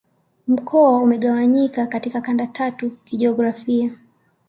Mkoa umegawanyika katika kanda tatu kijiografia